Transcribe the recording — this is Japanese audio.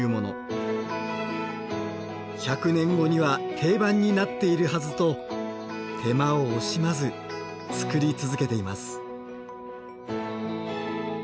１００年後には定番になっているはずと手間を惜しまず作り続けています。